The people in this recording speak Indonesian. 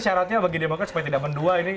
syaratnya bagi demokrat supaya tidak mendua ini